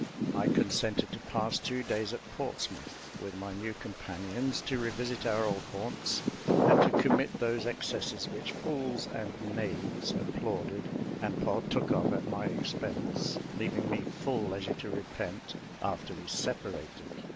I consented to pass two days at Portsmouth, with my new companions, to revisit our old haunts, and to commit those excesses which fools and knaves applauded and partook of, at my expense, leaving me full leisure to repent, after we separated.